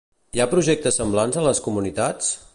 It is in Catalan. Hi ha projectes semblants a les comunitats?